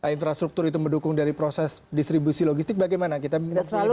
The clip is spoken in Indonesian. infrastruktur itu mendukung dari proses distribusi logistik bagaimana kita memasuki para dikembang ini